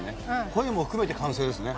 声も含めて完成ですね。